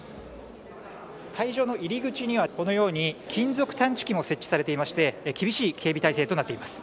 会場の入り口にはこのように金属探知機も設置されていまして厳しい警備体制となっています。